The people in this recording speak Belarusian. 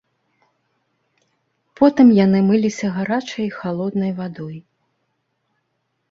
Потым яны мыліся гарачай і халоднай вадой.